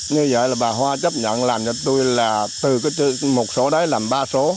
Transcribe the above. như vậy là bà hoa chấp nhận làm cho tôi là từ một số đấy làm ba số